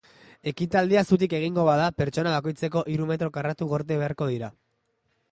Ekitaldia zutik egingo bada, pertsona bakoitzeko hiru metro karratu gorde beharko dira.